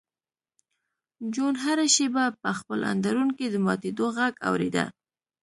جون هره شېبه په خپل اندرون کې د ماتېدو غږ اورېده